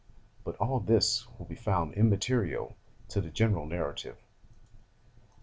But all this will be found immaterial to the general narrative.